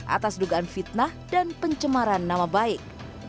atas dugaan fitnah dan pencemaran nama baik